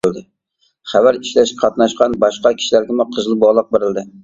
خەۋەر ئىشلەشكە قاتناشقان باشقا كىشىلەرگىمۇ قىزىل بولاق بېرىلدى.